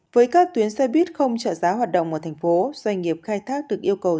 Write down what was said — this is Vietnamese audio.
với các tuyến xe buýt không trợ giá hoạt động ở thành phố doanh nghiệp khai thác được yêu cầu